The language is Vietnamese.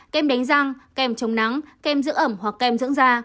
kem đánh răng kem chống nắng kem giữ ẩm hoặc kem dưỡng da